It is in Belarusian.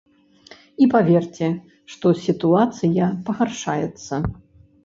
І паверце, што сітуацыя пагаршаецца.